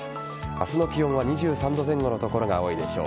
明日の気温は２３度前後の所が多いでしょう。